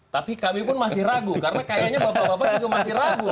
tapi kami pun masih ragu karena kayaknya bapak bapak juga masih ragu